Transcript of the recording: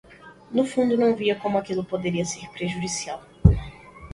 No fundo, não via como aquilo poderia ser prejudicial.